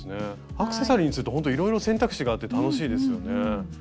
アクセサリーにするとほんといろいろ選択肢があって楽しいですよね。